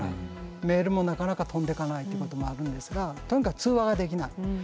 メールもなかなか飛んでかないってこともあるんですがとにかく通話ができない。